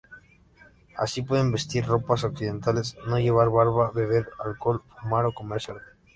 Así pueden vestir ropas occidentales, no llevar barba, beber alcohol, fumar o comer cerdo.